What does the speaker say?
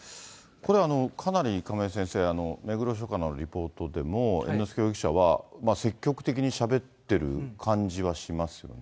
これかなり亀井先生、目黒署からのリポートでも、猿之助容疑者は積極的にしゃべってる感じはしますよね。